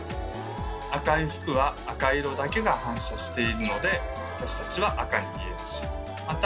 赤い服は赤色だけが反射しているので私たちは赤に見えるしまた